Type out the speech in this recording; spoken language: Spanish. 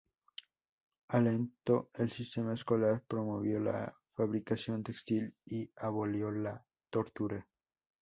Alentó el sistema escolar, promovió la fabricación textil y abolió la tortura.